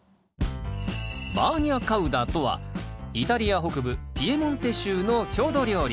バーニャカウダとはイタリア北部ピエモンテ州の郷土料理。